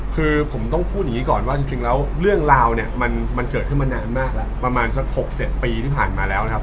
คือผมต้องพูดอย่างนี้ก่อนว่าจริงแล้วเรื่องราวเนี่ยมันเกิดขึ้นมานานมากแล้วประมาณสัก๖๗ปีที่ผ่านมาแล้วนะครับ